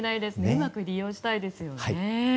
うまく利用したいですね。